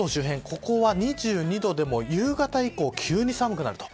ここは２２度でも夕方以降、急に寒くなる。